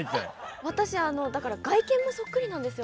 私だから外見もそっくりなんですよ。